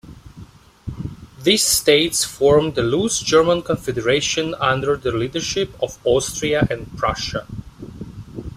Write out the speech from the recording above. These states formed a loose German Confederation under the leadership of Austria and Prussia.